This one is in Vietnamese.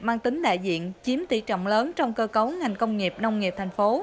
mang tính đại diện chiếm tỷ trọng lớn trong cơ cấu ngành công nghiệp nông nghiệp thành phố